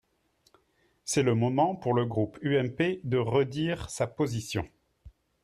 C’est le moment, pour le groupe UMP, de redire sa position.